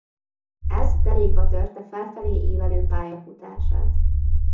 Ez derékba törte felfelé ívelő pályafutását.